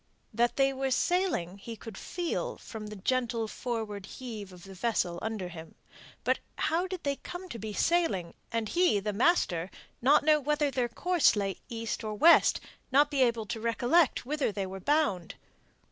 That they were sailing he could feel from the gentle forward heave of the vessel under him. But how did they come to be sailing, and he, the master, not to know whether their course lay east or west, not to be able to recollect whither they were bound?